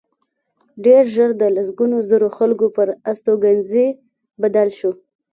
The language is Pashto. ډېر ژر د لسګونو زرو خلکو پر استوګنځي بدل شو